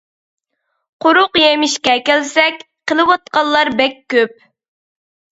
قۇرۇق يېمىشكە كەلسەك، قىلىۋاتقانلار بەك كۆپ.